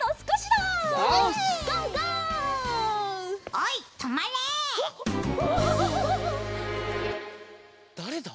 だれだ？